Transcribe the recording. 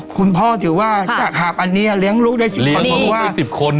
คุณพ่อถือว่าจากขาบอันนี้เลี้ยงลูกได้๑๐คน